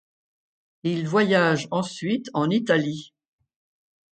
Il voyage ensuite en Italie.